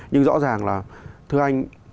nhưng rõ ràng là thưa anh